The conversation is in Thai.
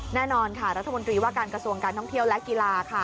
แน่นอนค่ะรัฐมนตรีว่าการกระทรวงการท่องเที่ยวและกีฬาค่ะ